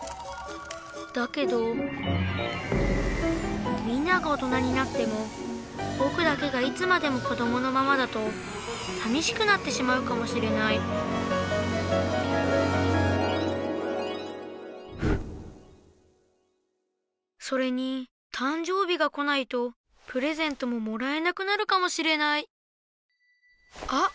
だけどみんなが大人になってもぼくだけがいつまでもこどものままだとさみしくなってしまうかもしれないそれにたんじょう日が来ないとプレゼントももらえなくなるかもしれないあ！